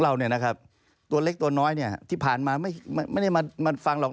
เราเนี่ยนะครับตัวเล็กตัวน้อยเนี่ยที่ผ่านมาไม่ได้มาฟังหรอก